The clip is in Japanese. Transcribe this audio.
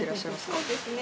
そうですね。